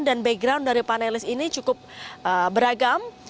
dan background dari panelis ini cukup beragam